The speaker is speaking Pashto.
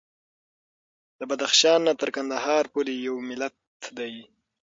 د بدخشان نه تر قندهار پورې یو ملت دی.